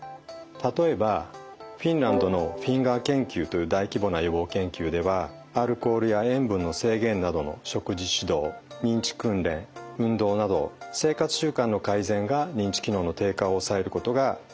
例えばフィンランドのＦＩＮＧＥＲ研究という大規模な予防研究ではアルコールや塩分の制限などの食事指導認知訓練運動など生活習慣の改善が認知機能の低下を抑えることが分かったんですね。